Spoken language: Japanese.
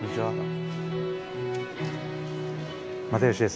又吉です。